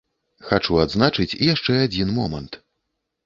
Хачу адзначыць яшчэ адзін момант.